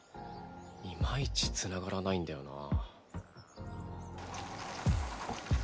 いまいちつながらないんだよな。